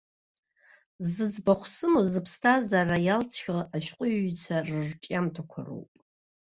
Зыӡбахә сымоу зыԥсҭазаара иалҵхьоу ашәҟәыҩҩцәа рырҿиамҭақәа роуп.